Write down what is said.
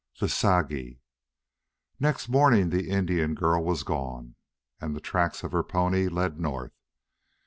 THE SAGI Next morning the Indian girl was gone and the tracks of her pony led north.